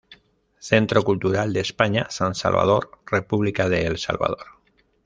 Centro Cultural de España, San Salvador, República de El Salvador.